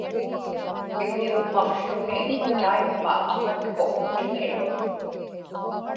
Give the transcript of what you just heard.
iḷimmaqłuni taimma aŋatkuq tiŋiruq